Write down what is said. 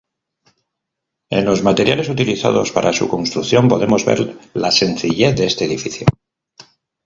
En los materiales utilizados para su construcción podemos ver la sencillez de este edificio.